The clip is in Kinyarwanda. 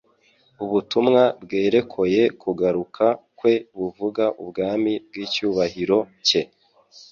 ubutumwa bwerekoye kugaruka kwe buvuga ubwami bw'icyubahiro cye.